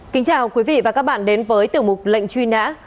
kính chào quý vị và các bạn đến với tiểu mục lệnh truy nã